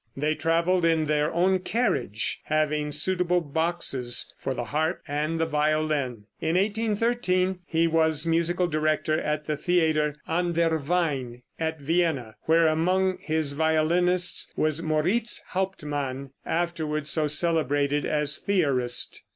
They traveled in their own carriage, having suitable boxes for the harp and the violin. In 1813 he was musical director at the theater, "An der Wein," at Vienna, where among his violinists was Moritz Hauptmann, afterward so celebrated as theorist.